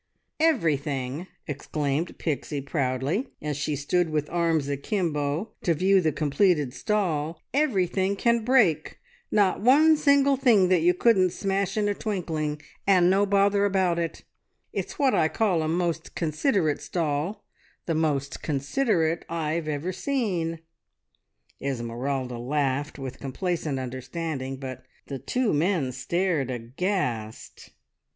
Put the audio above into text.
"Everything!" exclaimed Pixie proudly, as she stood with arms akimbo to view the completed stall, "everything can break! Not one single thing that you couldn't smash in a twinkling, and no bother about it. It's what I call a most considerate stall, the most considerate I've ever seen!" Esmeralda laughed with complacent understanding, but the two men stared aghast.